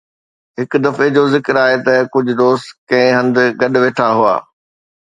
هڪ دفعي جو ذڪر آهي ته ڪجهه دوست ڪنهن هنڌ گڏ ويٺا هئا